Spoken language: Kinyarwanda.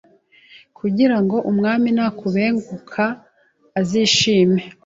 kugira ngo umwami nakubenguka azishime